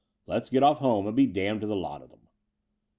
"Let's get off home; and be damned to the lot of them."